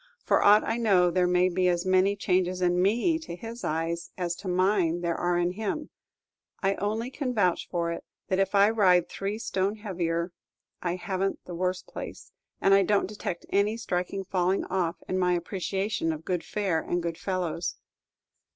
For aught I know, there may be as many changes in me to his eyes as to mine there are in him. I only can vouch for it, that if I ride three stone heavier, I have n't the worse place, and I don't detect any striking falling off in my appreciation of good fare and good fellows.